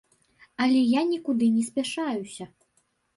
Але я нікуды не спяшаюся.